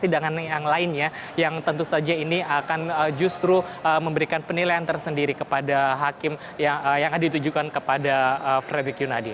dan yang lainnya yang tentu saja ini akan justru memberikan penilaian tersendiri kepada hakim yang ditujukan kepada fredri yunadi